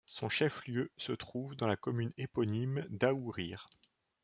Son chef-lieu se trouve dans la commune éponyme d'Aourir.